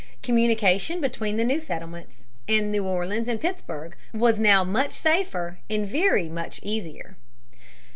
Communication between the new settlements, and New Orleans and Pittsburg, was now much safer and very much easier.